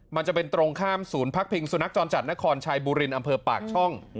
มันจะเป็นตรงข้ามศูนย์พักพิงสุนัขจรจัดนครชายบูรินอำเภอปากช่อง